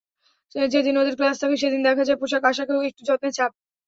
যেদিন ওদের ক্লাস থাকে সেদিন দেখা যায় পোশাক আশাকেও একটু যত্নের ছাপ।